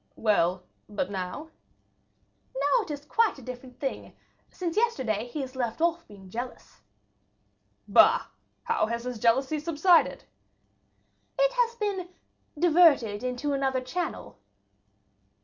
"Well, but now?" "Now it is quite a different thing; since yesterday he has left off being jealous." "Bah! how has his jealousy subsided?" "It has been diverted into another channel."